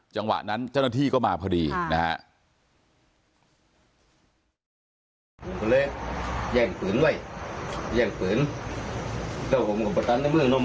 จังหวะนั้นเจ้าหน้าที่ก็มาพอดีนะฮะ